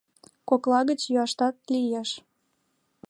— Кокла гыч йӱашат лиеш...